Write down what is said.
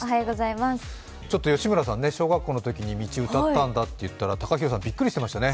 ちょっと吉村さん、小学校のときに「道」歌ったんだと言ったら、ＴＡＫＡＨＩＲＯさんびっくりしていましたね。